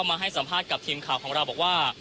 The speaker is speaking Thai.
คุณทัศนาควดทองเลยค่ะ